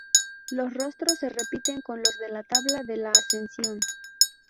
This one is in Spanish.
Los rostros se repiten con los de la tabla de la Ascensión.